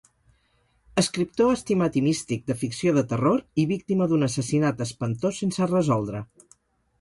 Escriptor estimat i místic de ficció de terror, i víctima d'un assassinat espantós sense resoldre.